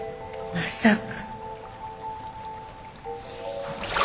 まさか！